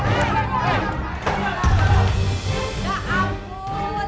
tepuk tangan tepuk tangan